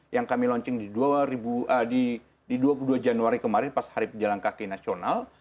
yang kami launching di dua puluh dua januari kemarin pas hari pejalan kaki nasional